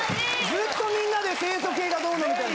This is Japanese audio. ずっとみんなで清楚系がどうのみたいな。